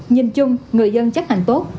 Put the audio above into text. nhìn chung người dân chấp hành tốt